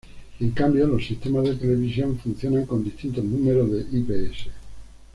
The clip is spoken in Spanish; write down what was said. En cambio, los sistemas de televisión funcionan con distinto número de ips.